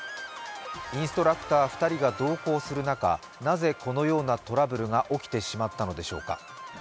インストラクター２人が同行する中なぜこのようなトラブルが起こってしまったのでしょうか。